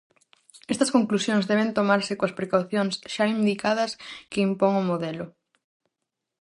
Estas conclusións deben tomarse coas precaucións xa indicadas que impón o modelo.